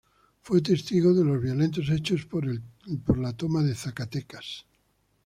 Fue testigo de los violentos hechos por la Toma de Zacatecas.